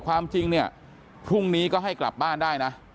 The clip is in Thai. ความจริงเนี่ยพรุ่งนี้ก็ให้กลับบ้านได้นะ